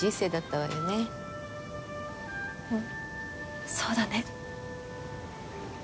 うんそうだね。